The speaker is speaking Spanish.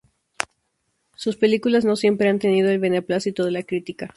Sus películas no siempre han tenido el beneplácito de la crítica.